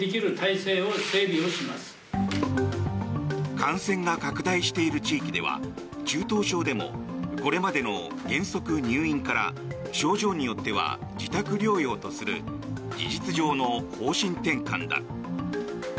感染が拡大している地域では中等症でもこれまでの原則入院から症状によっては自宅療養とする事実上の方針転換だ。